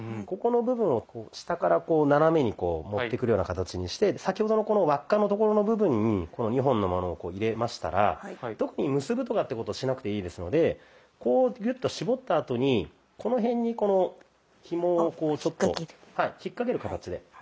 ここの部分を下から斜めにこう持ってくるような形にして先ほどのこの輪っかのところの部分にこの２本のものをこう入れましたら特に結ぶとかってことしなくていいですのでこうギュッと絞ったあとにこの辺にこのひもをこうちょっと引っ掛ける形で。